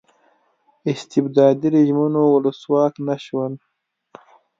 استبدادي رژیمونو ولسواک نه شول.